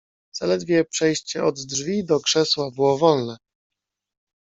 "Zaledwie przejście od drzwi do krzesła było wolne."